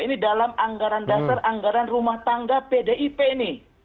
ini dalam anggaran dasar anggaran rumah tangga pdip ini